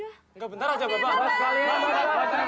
enggak bentar aja mbak